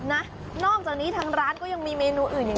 นอกจากนี้ทางร้านก็ยังมีเมนูอื่นอย่าง